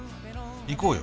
行こうよ。